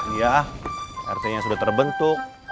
iya rt nya sudah terbentuk